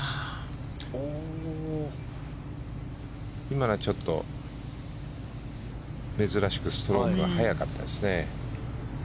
今のはちょっと珍しくストロークが速かったですね。